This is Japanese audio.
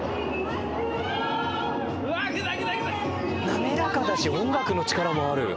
滑らかだし音楽の力もある。